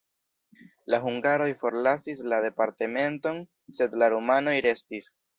La hungaroj forlasis la departementon, sed la rumanoj restis.